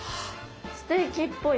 ステーキっぽい。